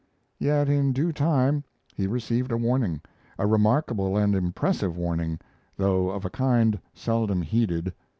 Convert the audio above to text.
Yet in due time he received a warning, a remarkable and impressive warning, though of a kind seldom heeded.